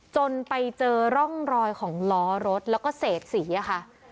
จนไปเจอร่องรอยของล้อรถแล้วก็เศษสีค่ะ